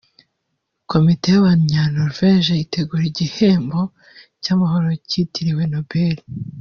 Komite y’Abanyanorvège itegura igihembo cy’amahoro cyitiriwe Nobel